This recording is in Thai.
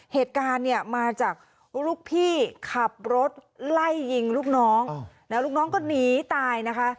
เหตุการณ์เนี่ยมาจากลูกพี่ขับรถไล่ยิงลูกน้องแล้วลูกน้องก็หนีตายนะคะ